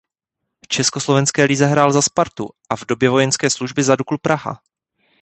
V československé lize hrál za Spartu a v době vojenské služby za Duklu Praha.